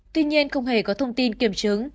tuy nhiên không hề có thông tin kiểm chứng